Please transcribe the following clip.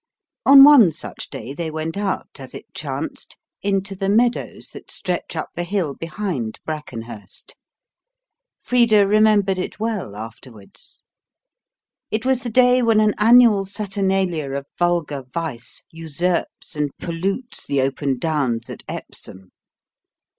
On one such day they went out, as it chanced, into the meadows that stretch up the hill behind Brackenhurst. Frida remembered it well afterwards. It was the day when an annual saturnalia of vulgar vice usurps and pollutes the open downs at Epsom.